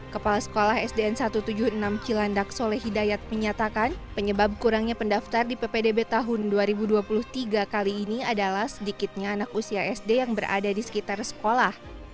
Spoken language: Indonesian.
kepala sekolah sdn satu ratus tujuh puluh enam cilandak soleh hidayat menyatakan penyebab kurangnya pendaftar di ppdb tahun dua ribu dua puluh tiga kali ini adalah sedikitnya anak usia sd yang berada di sekitar sekolah